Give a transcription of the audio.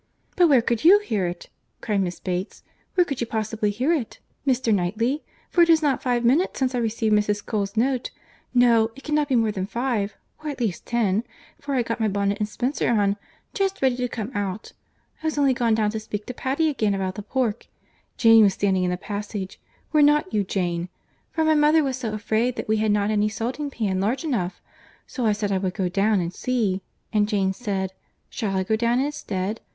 "But where could you hear it?" cried Miss Bates. "Where could you possibly hear it, Mr. Knightley? For it is not five minutes since I received Mrs. Cole's note—no, it cannot be more than five—or at least ten—for I had got my bonnet and spencer on, just ready to come out—I was only gone down to speak to Patty again about the pork—Jane was standing in the passage—were not you, Jane?—for my mother was so afraid that we had not any salting pan large enough. So I said I would go down and see, and Jane said, 'Shall I go down instead?